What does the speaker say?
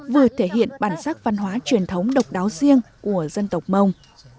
vừa thể hiện bản sắc văn hóa truyền thống độc đáo riêng của dân tộc mông